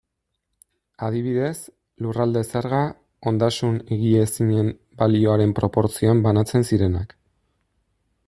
Adibidez, lurralde-zerga, ondasun higiezinen balioaren proportzioan banatzen zirenak.